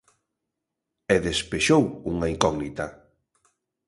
E despexou unha incógnita.